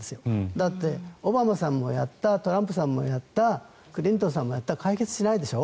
だって、オバマさんもやったトランプさんもやったクリントンさんもやった解決しないでしょ。